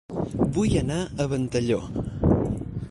Vull anar a Ventalló